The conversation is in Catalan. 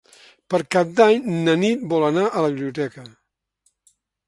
Per Cap d'Any na Nit vol anar a la biblioteca.